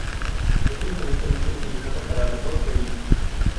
Es preferentemente utilizado para la tos ferina.